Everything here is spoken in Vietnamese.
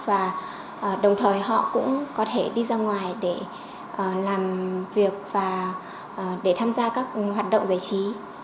và đồng thời họ cũng có thể đi ra ngoài để làm việc và để tham gia các hoạt động giải trí